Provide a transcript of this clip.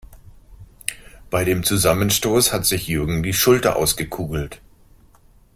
Bei dem Zusammenstoß hat sich Jürgen die Schulter ausgekugelt.